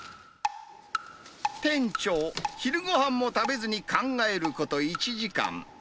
店長、昼ごはんも食べずに考えること１時間。